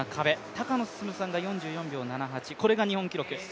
高野進さんが４４秒７８、これが日本記録。